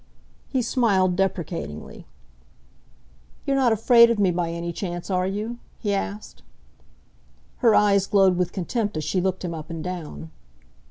He smiled deprecatingly. "You're not afraid of me, by any chance, are you?" he asked. Her eyes glowed with contempt as she looked him up and down.